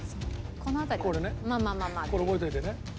これ覚えといてね」